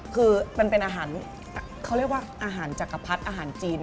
คือมันเป็นอาหารเขาเรียกว่าอาหารจักรพรรดิอาหารจีน